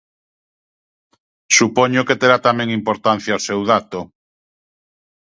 Supoño que terá tamén importancia o seu dato.